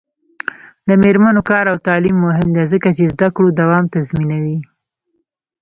د میرمنو کار او تعلیم مهم دی ځکه چې زدکړو دوام تضمینوي.